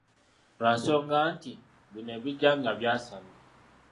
Lwa nsonga nti, bino ebijja nga byasamye.